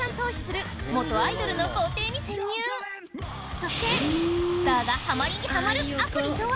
そしてスターがハマりにハマるアプリとは！？